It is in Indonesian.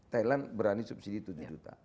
thailand berani subsidi tujuh juta